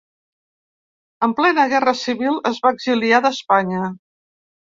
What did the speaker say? En plena Guerra civil es va exiliar d'Espanya.